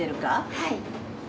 はい。